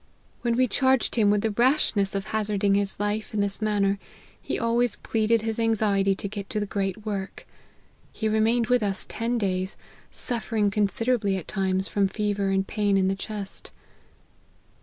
When we charg ed him with the rashness of hazarding his life in this manner, he always pleaded his anxiety to get to the great work. He remained with us ten days, suffering considerably at times from fever and pain in the chest."